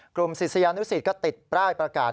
ศิษยานุสิตก็ติดป้ายประกาศ